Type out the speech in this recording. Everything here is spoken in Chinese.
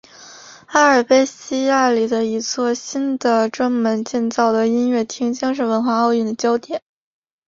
阿尔卑西亚里的一座新的专门建造的音乐厅将是文化奥运的焦点。